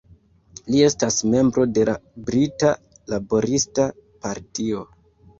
Li estas membro de la Brita Laborista Partio.